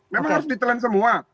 memang harus ditelan semua